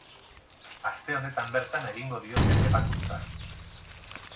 Aste honetan bertan egingo diote ebakuntza.